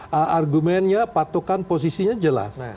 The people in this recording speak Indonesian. dan argumennya patokan posisinya jelas